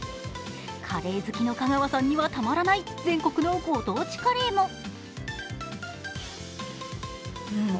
カレー好きの香川さんにはたまらない、全国のご当地カレーも。